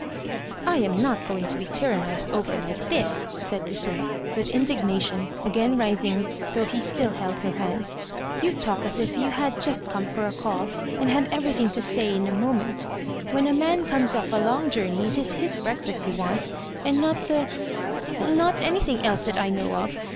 "I am not going to be tyrannised over like tMs," said Lucalla, with indignation, again ris ing, though he still held her hands. " You talk as if you had just come for a call and had everytiiing to say in a moment When a man comes off a long journey it is his breakfast he wants, and not a ^not anything else that I know of.